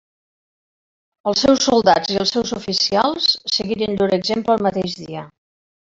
Els seus soldats i els seus oficials seguiren llur exemple el mateix dia.